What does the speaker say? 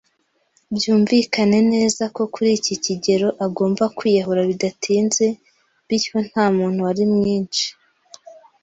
byumvikane neza ko kuri iki kigero agomba kwiyahura bidatinze, bityo ntamuntu wari mwinshi